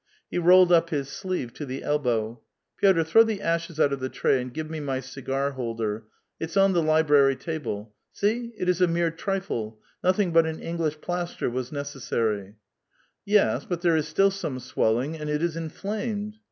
He rolled up his sleeve to the elbow. " Pictr, throw the ashes out of the tray, and give me my cigar holder ; it's on the library table. See, it is a mere trifle ; nothing but an English plaster was necessary." '• Yes ; but there is still some swelling, and it is inflamed."